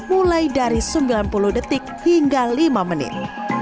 mulai dari sembilan puluh detik hingga lima menit